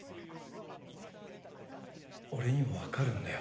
俺にもわかるんだよ